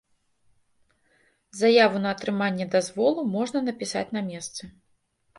Заяву на атрыманне дазволу можна напісаць на месцы.